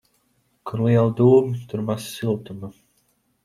Kur lieli dūmi, tur maz siltuma.